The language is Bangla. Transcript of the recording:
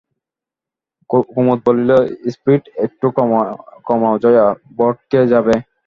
কুমুদ বলিল, স্পিড একটু কমাও জয়া, ভড়কে যাবে।